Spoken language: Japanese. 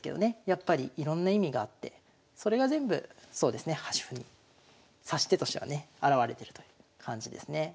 やっぱりいろんな意味があってそれが全部そうですね端歩に指し手としてはね表れてるという感じですね。